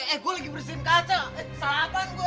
eh gue lagi bersihin kaca eh salah apaan gue